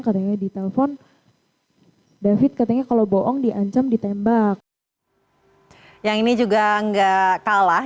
katanya di telepon david katanya kalau bohong diancam ditembak yang ini juga enggak kalah